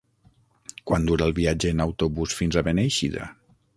Quant dura el viatge en autobús fins a Beneixida?